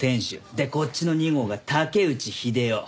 でこっちの２号が竹内秀雄。